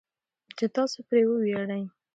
چې تاسو پرې وویاړئ.